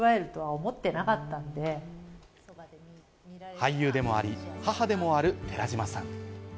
俳優でもあり、母でもある寺島さん。